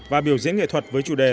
và biểu diễn nghệ thuật với chủ đề